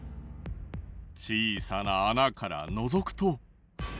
小さな穴からのぞくと。